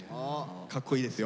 かっこいいですよ。